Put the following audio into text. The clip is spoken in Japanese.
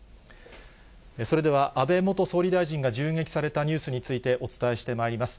それでは、安倍元総理大臣が銃撃されたニュースについてお伝えしてまいります。